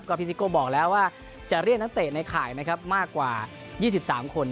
พี่ซิโก้บอกแล้วว่าจะเรียกนักเตะในข่ายนะครับมากกว่า๒๓คน